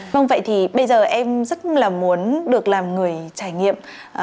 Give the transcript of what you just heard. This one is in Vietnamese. vâng vậy thì bây giờ em rất là muốn được làm người trải nghiệm